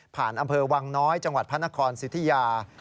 อำเภอวังน้อยจังหวัดพระนครสิทธิยา